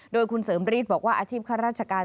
โดยคุณเสริมรีดบอกว่าอาชีพข้าราชการ